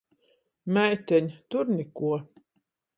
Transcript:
Meiteņ, tur nikuo.